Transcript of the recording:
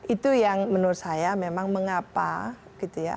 itu yang menurut saya memang mengapa gitu ya